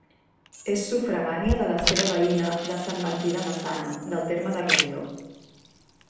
És sufragània de la seva veïna de Sant Martí de Maçana, del terme de Rubió.